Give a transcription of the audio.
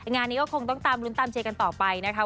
งานนี้ก็คงต้องตามลุ้นตามเชียร์กันต่อไปนะคะ